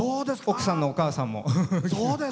奥さんのお母さんも。